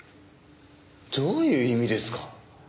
どういう意味ですか？